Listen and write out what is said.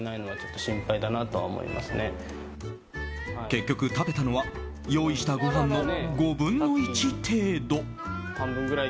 結局、食べたのは用意したごはんの５分の１程度。